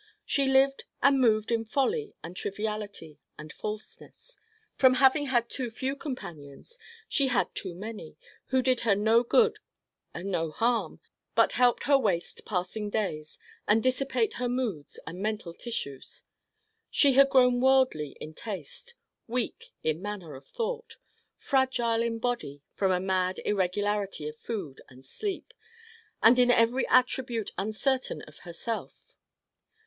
She lived and moved in folly and triviality and falseness. From having had too few companions she had too many who did her no good and no harm but helped her waste passing days and dissipate her moods and mental tissues. She had grown worldly in taste, weak in manner of thought, fragile in body from a mad irregularity of food and sleep, and in every attribute uncertain of herself.